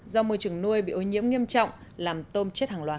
do môi trường nuôi bị ô nhiễm nghiêm trọng làm tôm chết hàng loạt